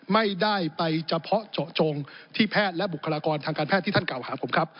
ไม่ได้ไปเฉพาะเจาะจงที่แพทย์และบุคลากรทางการแพทย์ที่ท่านกล่าวหาผมครับ